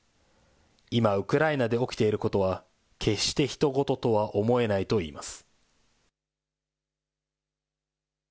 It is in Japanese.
今、ウクライナで起きていることは、決してひと事とは思えないといいます。